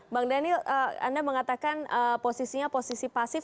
bang daniel anda mengatakan posisinya posisi pasif